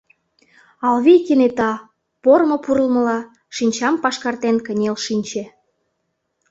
Алвий кенета, пормо пурлмыла, шинчам пашкартен кынел шинче.